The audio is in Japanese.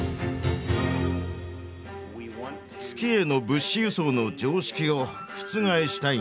月への物資輸送の常識を覆したいんだ。